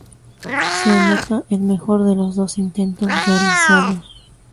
Se anota el mejor de los dos intentos realizados.